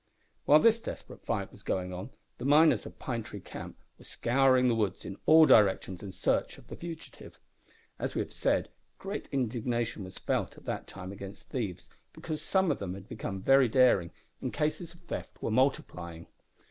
While this desperate fight was going on, the miners of Pine Tree camp were scouring the woods in all directions in search of the fugitive. As we have said, great indignation was felt at that time against thieves, because some of them had become very daring, and cases of theft were multiplying.